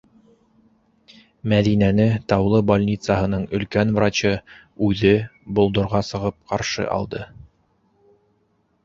Мәҙинәне Таулы больницаһының өлкән врачы үҙе болдорға сығып ҡаршы алды: